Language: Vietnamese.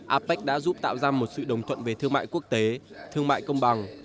apec đã giúp tạo ra một sự đồng thuận về thương mại quốc tế thương mại công bằng